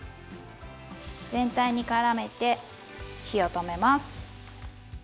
全体に絡めて火を止めます。